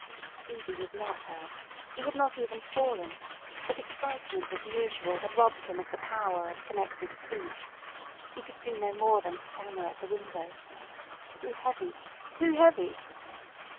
Stevie was not hurt, he had not even fallen, but excitement as usual had robbed him of the power of connected speech. He could do no more than stammer at the window. "Too heavy. Too heavy."